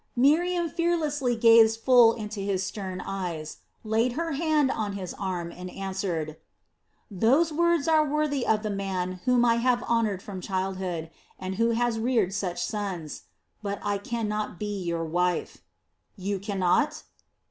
Miriam fearlessly gazed full into his stern eyes, laid her hand on his arm, and answered: "Those words are worthy of the man whom I have honored from childhood, and who has reared such sons; but I cannot be your wife." "You cannot?"